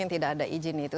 yang tidak ada izin itu